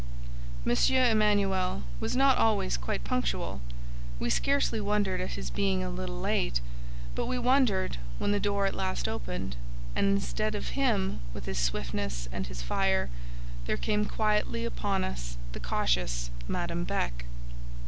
M. Emanuel was not always quite punctual; we scarcely wondered at his being a little late, but we wondered when the door at last opened and, instead of him with his swiftness and his fire, there came quietly upon us the cautious Madame Beck.